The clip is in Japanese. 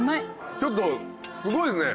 ちょっとすごいっすね